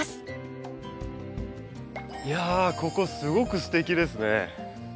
いやここすごくすてきですね。